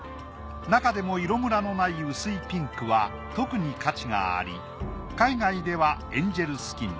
なかでも色むらのない薄いピンクは特に価値があり海外ではエンジェルスキン。